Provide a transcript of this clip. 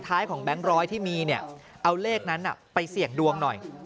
ท้ายของแบงค์ร้อยที่มีเนี่ยเอาเลขนั้นไปเสี่ยงดวงหน่อย